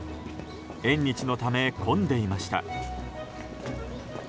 縁日のため、混んでいました。